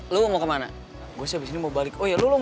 lu mau kemana gue mau balik